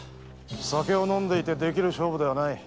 酒を飲んでいてできる勝負ではない。